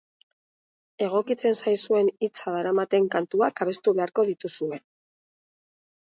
Egokitzen zaizuen hitza daramaten kantuak abestu beharko dituzue.